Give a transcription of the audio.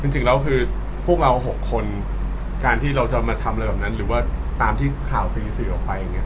จริงแล้วคือพวกเรา๖คนการที่เราจะมาทำอะไรแบบนั้นหรือว่าตามที่ข่าวตีสื่อออกไปอย่างนี้